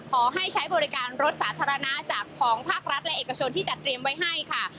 ขอให้ใช้บริการรถสาธารณะจากของภาครัฐและเอกชนที่จัดเตรียมไว้ให้ค่ะ